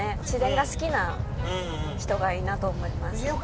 自然が好きな人がいいなと思います。